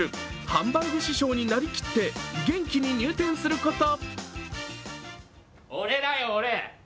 ハンバーグ師匠になりきって元気に入店すること。